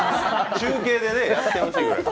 中継でやってほしいぐらいです。